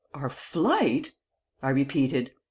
"Our flight!" I repeated.